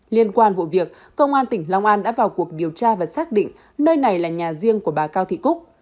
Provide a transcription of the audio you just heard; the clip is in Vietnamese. liên quan vụ việc công an tỉnh long an đã vào cuộc điều tra và xác định nơi này là nhà riêng của bà cao thị cúc